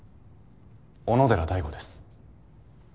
小野寺大伍です。